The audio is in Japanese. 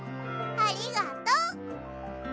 ありがとう！